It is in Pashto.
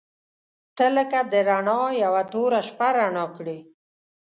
• ته لکه د رڼا یوه توره شپه رڼا کړې.